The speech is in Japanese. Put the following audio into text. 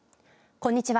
こんにちは。